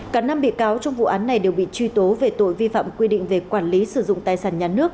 cả năm bị cáo trong vụ án này đều bị truy tố về tội vi phạm quy định về quản lý sử dụng tài sản nhà nước